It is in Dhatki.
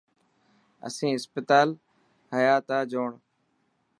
اسين هسپتال هيا تا جوڻ.